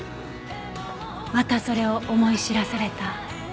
またそれを思い知らされた。